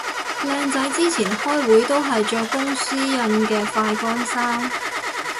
靚仔之前開會都係着公司印嘅快乾衫